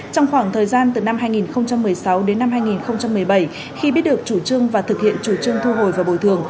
trong khoảng thời gian từ năm hai nghìn một mươi sáu đến năm hai nghìn một mươi bảy khi biết được chủ trương và thực hiện chủ trương thu hồi và bồi thường